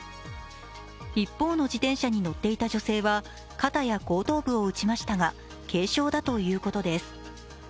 一方の自転車に乗っていた女性は肩や後頭部を打ちましたが、軽傷だということです。